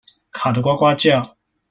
卡得呱呱叫